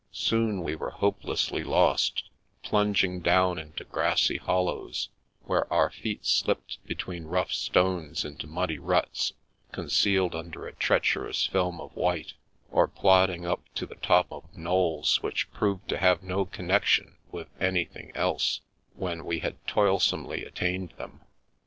Soon, we were hopelessly lost, plunging down into grassy hollows, where our feet slipped between rough stones into muddy ruts concealed under a treacherous film of white, or plodding up to the top of knolls which proved to have no connection with anything else, when we had toilsomely attained them.